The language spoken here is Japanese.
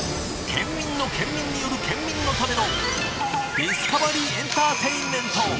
県民の県民による県民のためのディスカバリーエンターテインメント。